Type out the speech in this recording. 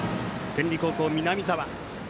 天理高校、南澤。